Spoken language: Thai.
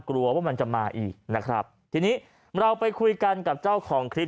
กลัวว่ามันจะมาอีกนะครับทีนี้เราไปคุยกันกับเจ้าของคลิป